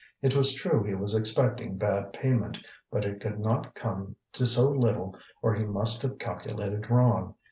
It was true he was expecting bad payment, but it could not come to so little or he must have calculated wrong.